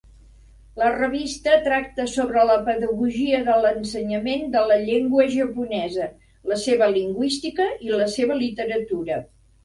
La revista tracta sobre la pedagogia de l'ensenyament de la llengua japonesa, la seva lingüística i la seva literatura.